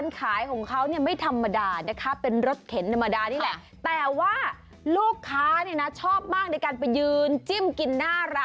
ขายลูกชิ้นเนี่ยนะ